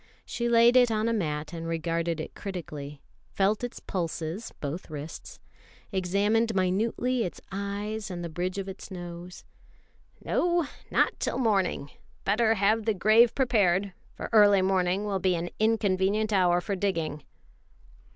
She laid it on a mat and regarded it critically, felt its pulses (both wrists), examined minutely its eyes and the bridge of its nose: "No, not till morning. Better have the grave prepared, for early morning will be an inconvenient hour for digging."